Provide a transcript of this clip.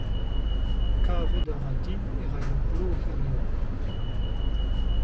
Kavout a ra din e raio glav hiziv.